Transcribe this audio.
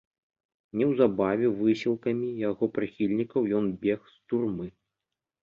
Неўзабаве высілкамі яго прыхільнікаў ён бег з турмы.